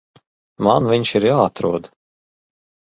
Man viņš ir jāatrod.